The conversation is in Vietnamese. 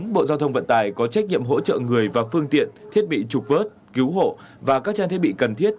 bộ giao thông vận tải có trách nhiệm hỗ trợ người và phương tiện thiết bị trục vớt cứu hộ và các trang thiết bị cần thiết